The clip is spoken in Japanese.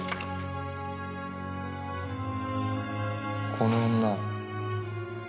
この女。